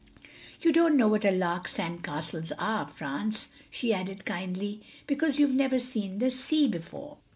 "You don't know what a lark sandcastles are, France," she added kindly, "because you've never seen the sea before."